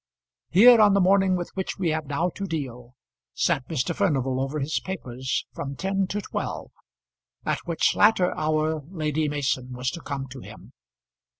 Here, on the morning with which we have now to deal, sat Mr. Furnival over his papers from ten to twelve, at which latter hour Lady Mason was to come to him.